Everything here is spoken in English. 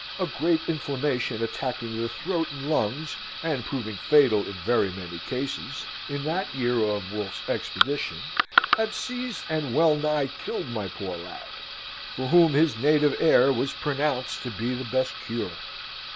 A great inflammation attacking the throat and lungs, and proving fatal in very many cases, in that year of Wolfe's expedition, had seized and well nigh killed my poor lad, for whom his native air was pronounced to be the best cure.